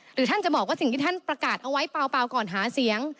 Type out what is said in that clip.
ท่านจะบอกว่าสิ่งที่ท่านประกาศเอาไว้เปล่าก่อนหาเสียง